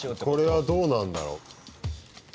これはどうなるんだろう？